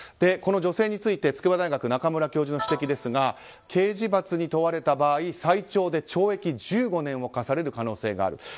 この女性について筑波大学、中村教授の指摘ですが刑事罰に問われた場合最長で懲役１５年を科される可能性がある。